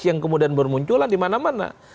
yang kemudian bermunculan di mana mana